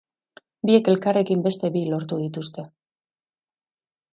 Biek elkarrekin beste bi lortu dituzte.